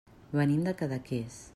Venim de Cadaqués.